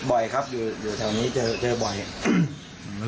บ่อยครับอยู่แถวนี้เจอบ่อย